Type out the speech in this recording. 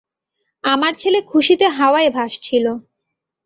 আমার ছেলে খুশীতে হাওয়ায় ভাসছিল।